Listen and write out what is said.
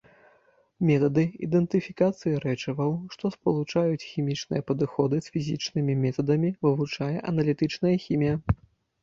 Метады ідэнтыфікацыі рэчываў, што спалучаюць хімічныя падыходы з фізічнымі метадамі, вывучае аналітычная хімія.